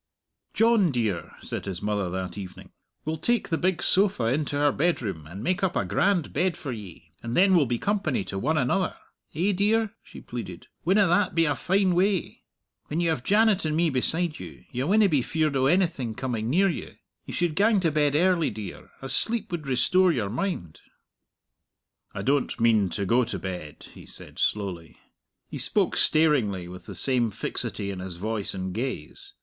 "John dear," said his mother that evening, "we'll take the big sofa into our bedroom, and make up a grand bed for ye, and then we'll be company to one another. Eh, dear?" she pleaded. "Winna that be a fine way? When you have Janet and me beside you, you winna be feared o' ainything coming near you. You should gang to bed early, dear. A sleep would restore your mind." "I don't mean to go to bed," he said slowly. He spoke staringly, with the same fixity in his voice and gaze.